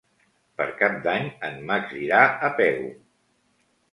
Per Cap d'Any en Max irà a Pego.